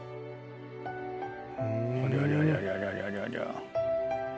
「ありゃりゃりゃりゃ」